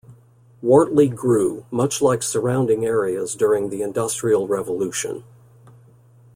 Wortley grew, much like surrounding areas during the industrial revolution.